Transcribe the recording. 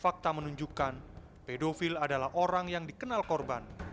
fakta menunjukkan pedofil adalah orang yang dikenal korban